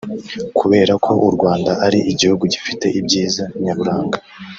kubera ko u Rwanda ari igihugu gifite ibyiza nyaburanga